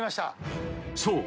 ［そう。